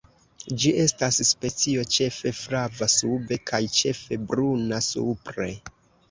Ĝi estas specio ĉefe flava sube kaj ĉefe bruna supre.